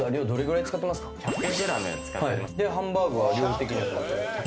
ハンバーグは量的には？